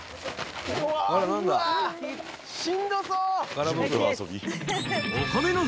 しんどそう。